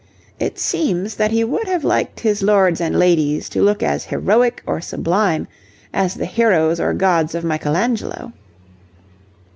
It seems that he would have liked his lords and ladies to look as heroic or sublime as the heroes or gods of Michelangelo.